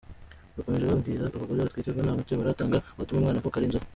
Bakomeje babwira abagore batwite ko nta muti baratanga watuma umwana avuka ari inzobe.